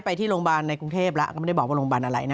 ไปที่โรงพยาบาลในกรุงเทพฯแล้ว